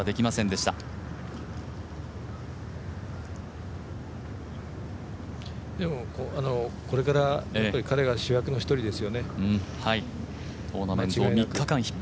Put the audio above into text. でも、これから彼が主役の１人ですよね、間違いなく。